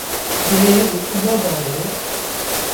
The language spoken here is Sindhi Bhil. گيه وڪبو با اهي۔